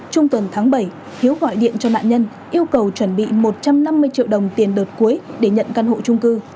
trung tuần tháng bảy hiếu gọi điện cho nạn nhân yêu cầu chuẩn bị một trăm năm mươi triệu đồng tiền đợt cuối để nhận căn hộ trung cư